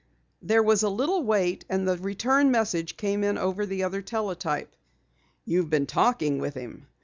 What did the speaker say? There was a little wait and then the return message came in over the other teletype. "YOU'VE BEEN TALKING WITH HIM.